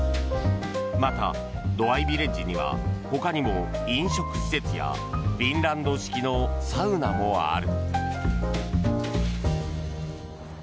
またＤＯＡＩＶＩＬＬＡＧＥにはほかにも飲食施設やフィンランド式のサウナもある。